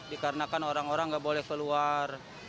dikarenakan orang orang nggak boleh keluar